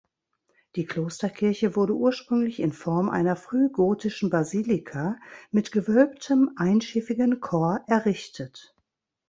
Die Klosterkirche wurde ursprünglich in Form einer frühgotischen Basilika mit gewölbtem einschiffigen Chor errichtet.